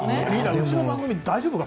うちの番組大丈夫か？